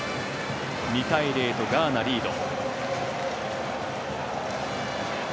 ２対０とガーナ、リード。